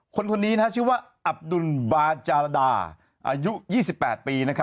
คนนี้ชื่อว่าอับดุลบาจารดาอายุ๒๘ปี